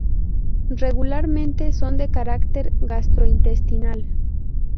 Regularmente son de carácter gastrointestinal.